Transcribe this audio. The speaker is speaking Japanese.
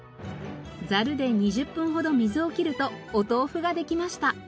ザルで２０分ほど水を切るとお豆腐ができました。